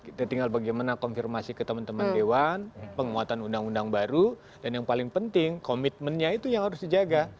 kita tinggal bagaimana konfirmasi ke teman teman dewan penguatan undang undang baru dan yang paling penting komitmennya itu yang harus dijaga